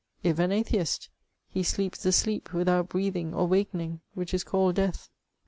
If an Atheist? — He sleeps the sleep without breathing or wakening, which is called death.